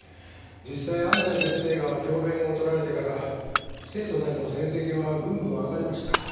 実際安西先生が教鞭をとられてから生徒たちの成績はぐんぐん上がりました。